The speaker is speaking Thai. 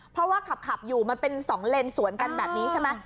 เพราะว่าขับอยู่มันเป็น๒เลนสวนกันแบบนี้ใช่ไหม